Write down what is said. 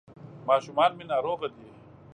ماشومان مي ناروغه دي ..